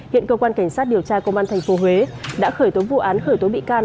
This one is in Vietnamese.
hiện cơ quan cảnh sát điều tra công an tp huế đã khởi tố vụ án khởi tố bị can